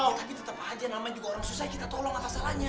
oh tapi tetap aja nama juga orang susah kita tolong apa salahnya